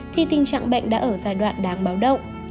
thì tình trạng bệnh đã ở giai đoạn đáng báo động